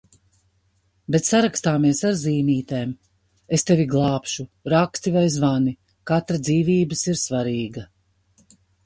Bet sarakstāmies ar zīmītēm: es tevi glābšu, raksti vai zvani, katra dzīvības ir svarīga!